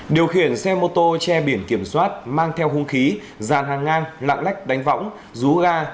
điều khiển xe mô tô che biển kiểm soát mang theo hung khí dàn hàng ngang lạng lách đánh võng rú ga